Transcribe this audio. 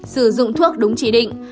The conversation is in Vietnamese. sử dụng thuốc đúng chỉ định